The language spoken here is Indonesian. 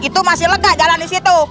itu masih lega jalan di situ